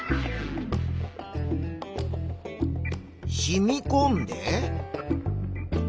しみこんで。